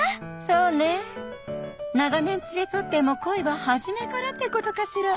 そうねえ長年連れ添っても恋は初めからってことかしら。